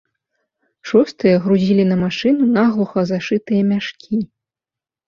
Шостыя грузілі на машыну наглуха зашытыя мяшкі.